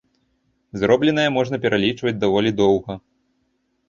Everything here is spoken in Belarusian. Зробленае можна пералічваць даволі доўга.